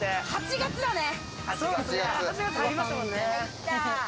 ８月だね。